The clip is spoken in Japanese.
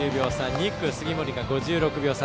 ２区、杉森が５７秒差。